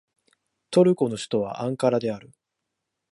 トルコの首都はアンカラである